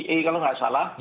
kalau tidak salah